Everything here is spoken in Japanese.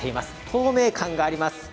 透明感があります。